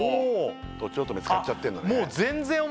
とちおとめ使っちゃってんだね